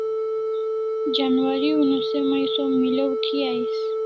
Janwari una se mai som milaw thi ais